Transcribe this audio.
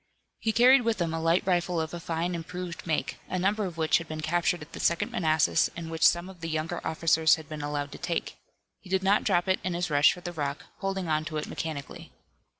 He carried with him a light rifle of a fine improved make, a number of which had been captured at the Second Manassas, and which some of the younger officers had been allowed to take. He did not drop it in his rush for the rock, holding on to it mechanically.